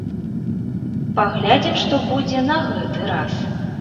Паглядзім, што будзе на гэты раз.